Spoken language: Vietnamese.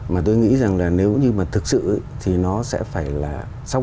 mà tôi nghĩ rằng là nếu như mà thực sự thì nó sẽ phải được phát triển mạnh hơn